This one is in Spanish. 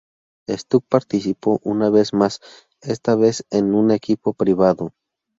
Stuck participó una vez más, esta vez en un equipo privado.